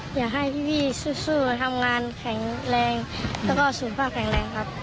อยากให้พี่สู้ทำงานแข็งแรงแล้วก็สุขภาพแข็งแรงครับ